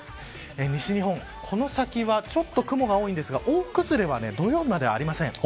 西日本、この先はちょっと雲が多いですが大崩れは土曜日までありません。